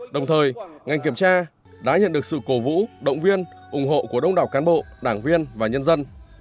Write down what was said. đồng thời ngành kiểm tra đã nhận được sự cổ vũ động viên ủng hộ của đông đảo cán bộ đảng viên và nhân dân